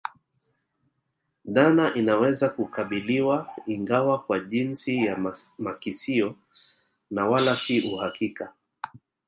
Dhana inaweza kukubaliwa ingawa kwa jinsi ya makisio na wala si uhakika